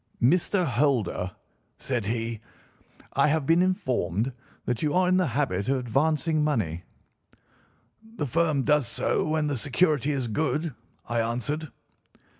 "'Mr. Holder,' said he, 'I have been informed that you are in the habit of advancing money.' "'The firm does so when the security is good.' I answered.